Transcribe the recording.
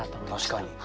確かに。